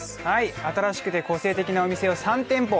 新しくて個性的なお店を３店舗。